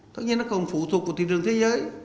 tất nhiên nó còn phụ thuộc vào thị trường thế giới